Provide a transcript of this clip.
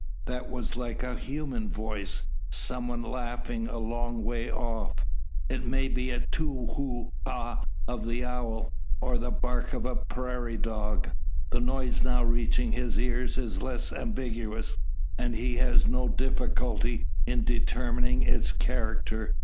That was like a human voice some one laughing a long way off. It might be the "too who ha" of the owl, or the bark of a prairie wolf. The noise now reaching his ears is less ambiguous, and he has no difficulty in determining its character.